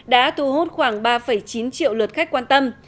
đã thu hút khoảng ba chín triệu lượt khách quan tâm